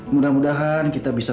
mudah mudahan kita bisa